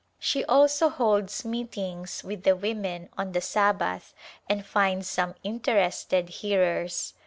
She also holds meetings with the women on the Sabbath and finds some inter ested hearers.